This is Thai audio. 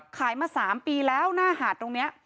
ขายมา๓ปีแล้วหน้าหาดตรงนี้